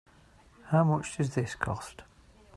How much does this cost?